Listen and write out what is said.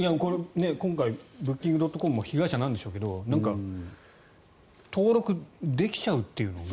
今回、ブッキングドットコムも被害者なんでしょうけど登録できちゃうっていうのが。